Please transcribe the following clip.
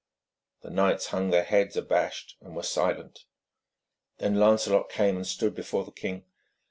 The knights hung their heads abashed, and were silent. Then Lancelot came and stood before the king.